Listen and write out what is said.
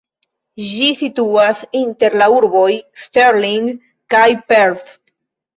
Ĝi situas inter la urboj Stirling kaj Perth.